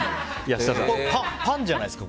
パンじゃないですか？